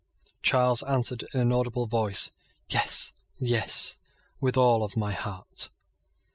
Charles answered in an audible voice, "Yes, yes, with all my heart."